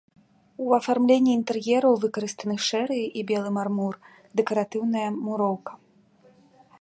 У афармленні інтэр'ераў выкарыстаны шэры і белы мармур, дэкаратыўная муроўка.